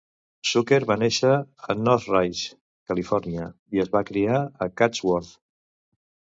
Zucker va néixer a Northridge, Califòrnia, i es va criar a Chatsworth.